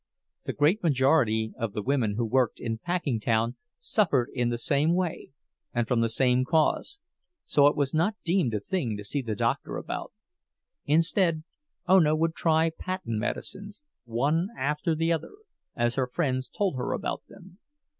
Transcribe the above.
The great majority of the women who worked in Packingtown suffered in the same way, and from the same cause, so it was not deemed a thing to see the doctor about; instead Ona would try patent medicines, one after another, as her friends told her about them.